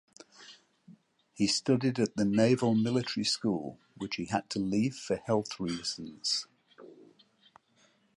He studied at the Naval Military School, which he had to leave for health reasons.